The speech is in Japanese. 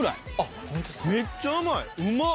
めっちゃうまいうまっ！